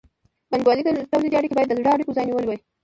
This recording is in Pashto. بانګوالي تولیدي اړیکې باید د زړو اړیکو ځای نیولی وای.